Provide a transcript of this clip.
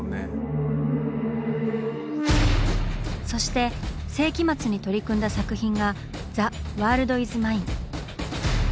そして世紀末に取り組んだ作品が「ザ・ワールド・イズ・マイン」。